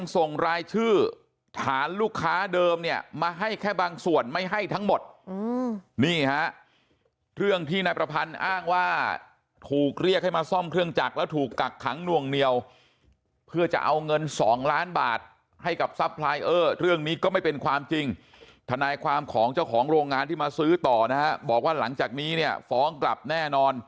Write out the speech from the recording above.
ส่งรายชื่อฐานลูกค้าเดิมเนี่ยมาให้แค่บางส่วนไม่ให้ทั้งหมดนี่ฮะเรื่องที่นายประพันธ์อ้างว่าถูกเรียกให้มาซ่อมเครื่องจักรแล้วถูกกักขังนวงเหนียวเพื่อจะเอาเงิน๒ล้านบาทให้กับซัพพลายเออร์เรื่องนี้ก็ไม่เป็นความจริงทนายความของเจ้าของโรงงานที่มาซื้อต่อนะฮะบอกว่าหลังจากนี้เนี่ยฟ้องกลับแน่นอน